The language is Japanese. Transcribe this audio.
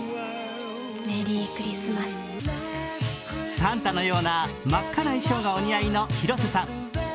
サンタのような真っ赤な衣装がお似合いの広瀬さん。